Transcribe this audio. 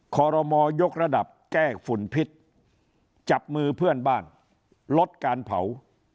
ขอรมอยกระดับแก้ฝุ่นพิษจับมือเพื่อนบ้านลดการเผา